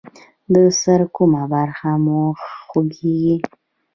د سر کومه برخه مو خوږیږي؟